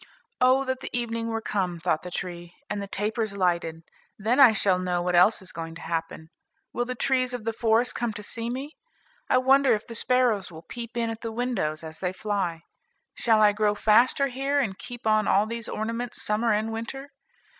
"Oh, that the evening were come," thought the tree, "and the tapers lighted! then I shall know what else is going to happen. Will the trees of the forest come to see me? I wonder if the sparrows will peep in at the windows as they fly? shall I grow faster here, and keep on all these ornaments summer and winter?"